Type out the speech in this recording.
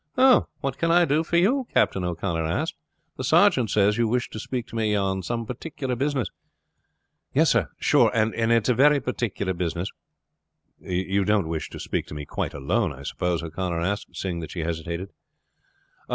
"What can I do for you?" Captain O'Connor asked. "The sergeant says you wish to speak to me on some particular business." "Yes, sir; sure, and it is very particular business." "You don't wish to speak to me quite alone, I suppose?" O'Connor asked, seeing that she hesitated.